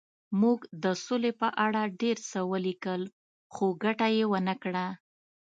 موږ د سولې په اړه ډېر څه ولیکل خو ګټه یې ونه کړه